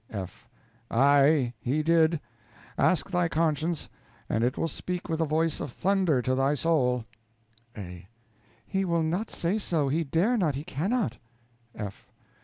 F. Aye, he did. Ask thy conscience, and it will speak with a voice of thunder to thy soul. A. He will not say so, he dare not, he cannot. F.